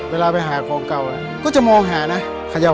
เวลาไปหาของเก่าก็จะมองหานะ